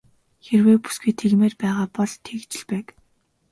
Хэрэв бүсгүй тэгмээр байгаа бол тэгж л байг.